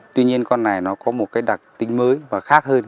tuy nhiên con này nó có một cái đặc tính mới và khác hơn